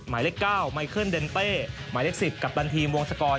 หมายเลข๙ไมเคิลเดนเต้หมายเลข๑๐กัปตันทีมวงศกร